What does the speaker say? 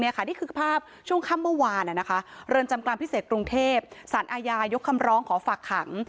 นี่คือภาพช่วงค่ำเมื่อวานเรือนจำกลางพิเศษกรุงเทพสารอาญายกคำร้องขอฝากขัง